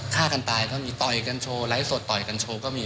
ฆ่ากันตายก็มีไหลสดต่อยกันโชว์ก็มี